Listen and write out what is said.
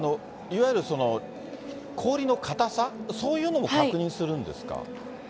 いわゆる、氷の硬さ、そういうのも確認するんですか？